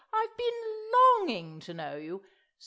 I've been longing to know you.